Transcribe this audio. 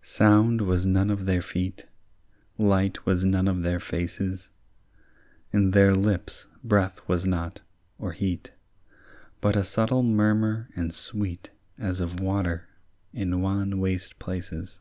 Sound was none of their feet, Light was none of their faces; In their lips breath was not, or heat, But a subtle murmur and sweet As of water in wan waste places.